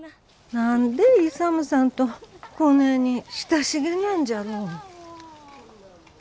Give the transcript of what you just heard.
何で勇さんとこねえに親しげなんじゃろう。